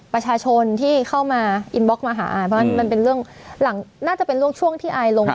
ประชาชนที่เข้ามาอิมบ็อกมาหามันเป็นเรื่องหลังน่าจะเป็นร่วมช่วงที่ไอลง